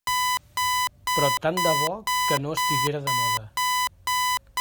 Però tant de bo que no estiguera de moda.